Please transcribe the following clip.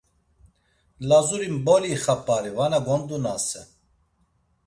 Lazuri mboli ixap̌ari, vana gondunasen.